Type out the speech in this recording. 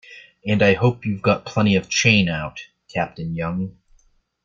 And I hope you've got plenty of chain out, Captain Young.